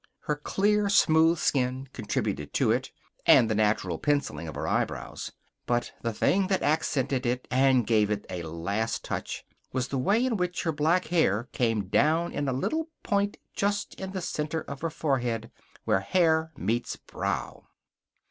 Her clear, smooth skin contributed to it, and the natural penciling of her eyebrows. But the thing that accented it, and gave it a last touch, was the way in which her black hair came down in a little point just in the center of her forehead, where hair meets brow.